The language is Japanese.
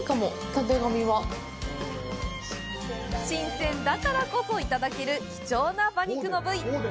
新鮮だからこそ、いただける貴重な馬肉の部位。